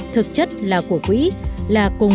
thực chất là của quỹ là cùng